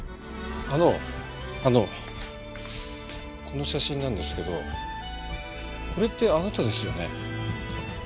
あのあのこの写真なんですけどこれってあなたですよね？